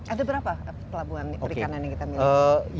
ada berapa pelabuhan perikanan yang kita miliki